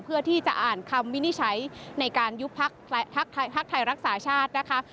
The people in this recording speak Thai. เพื่อที่จะอ่านคำวินิจฉัยในการยุบพักไทยรักษาชาตินะคะ